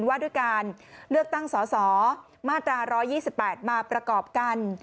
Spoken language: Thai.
ว่าด้วยการเลือกตั้งสสมาตรา๑๒๘มาประกอบกัน